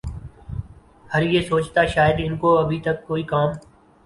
ھر یہ سوچتا شاید ان کو ابھی تک کوئی کام